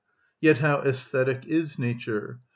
Yet how æsthetic is nature!